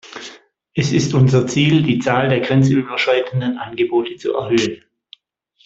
Es ist unser Ziel, die Zahl der grenzüberschreitenden Angebote zu erhöhen.